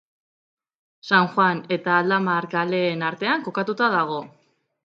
San Juan eta Aldamar kaleen artean kokatua dago.